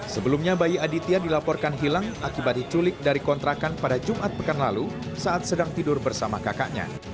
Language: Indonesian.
sebelumnya bayi aditya dilaporkan hilang akibat diculik dari kontrakan pada jumat pekan lalu saat sedang tidur bersama kakaknya